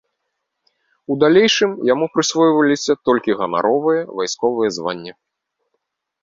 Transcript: У далейшым яму прысвойваліся толькі ганаровыя вайсковыя званні.